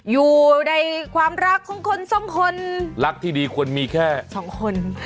อยู่ในความรักของคนสองคนรักที่ดีควรมีแค่สองคน